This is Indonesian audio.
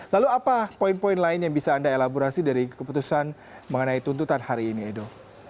lalu apa poin poin lain yang bisa anda elaborasi dari keputusan mengenai tuntutan hari ini edo